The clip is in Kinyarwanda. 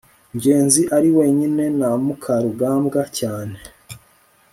ngenzi ari wenyine na mukarugambwa cyane